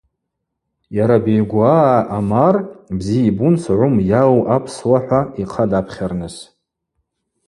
Йара Бейгуаа Омар бзи йбун Согъвым йауу апсуа - хӏва йхъа дапхьарныс.